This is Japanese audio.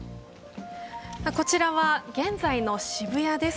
こちらは現在の渋谷です。